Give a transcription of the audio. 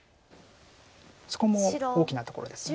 そこも大きなところです。